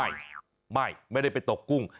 ไม่ไม่ไม่ได้ไปตกกุ้ง